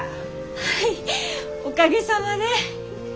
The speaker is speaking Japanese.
はいおかげさまで。